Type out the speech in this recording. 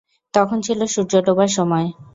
তখন ছিল সূর্য ডোবার সময়।